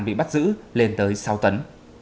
bị bắt giữ lên tới sáu tấn